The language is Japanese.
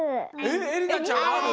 えりなちゃんある？